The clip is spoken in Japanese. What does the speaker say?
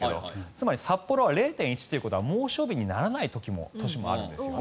つまり札幌は０．１ということは猛暑日にならない年もあるんですね。